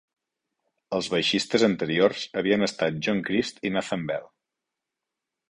Els baixistes anteriors havien estat John Chriest i Nathan Bell.